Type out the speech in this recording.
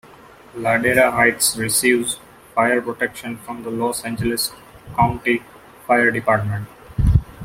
Ladera Heights receives fire protection from the Los Angeles County Fire Department.